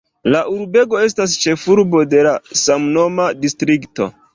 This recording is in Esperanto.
La urbego estas ĉefurbo de la samnoma distrikto.